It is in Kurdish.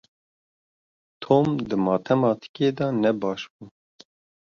Tom di matematîkê de ne baş bû.